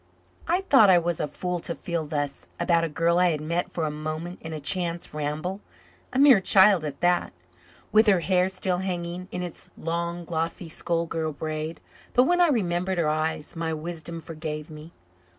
I thought I was a fool to feel thus about a girl I had met for a moment in a chance ramble a mere child at that, with her hair still hanging in its long glossy schoolgirl braid. But when I remembered her eyes, my wisdom forgave me.